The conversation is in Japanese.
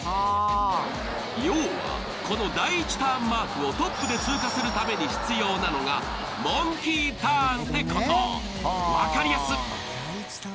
要は、この第１ターンマークをトップで通過するために必要なのが必要なのがモンキーターンってこと、分かりやすい。